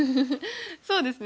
そうですね。